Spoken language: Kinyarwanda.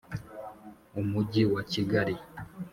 umujyi wa kigali